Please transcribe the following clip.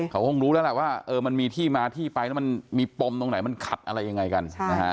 เขาคงรู้แล้วล่ะว่ามันมีที่มาที่ไปแล้วมันมีปมตรงไหนมันขัดอะไรยังไงกัน